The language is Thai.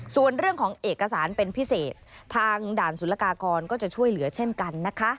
ส่วนเรื่องของเอกสารเป็นพิเศษทางด่านสุรกากรก็จะช่วยเหลือเช่นกันนะคะ